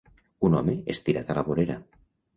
Un home estirat a la vorera.